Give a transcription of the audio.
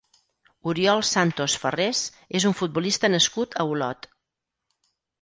Oriol Santos Ferrés és un futbolista nascut a Olot.